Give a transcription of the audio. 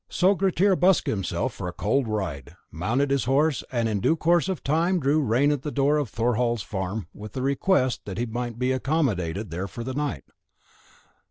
So Grettir busked himself for a cold ride, mounted his horse, and in due course of time drew rein at the door of Thorhall's farm with the request that he might be accommodated there for the night.